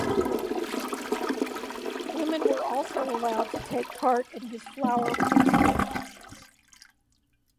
Women were also allowed to take part in his flower painting classes.